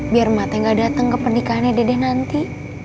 biar ibu gak datang ke pernikahan dede nanti